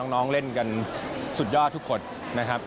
น้องเล่นกันสุดยอดทุกคนนะครับ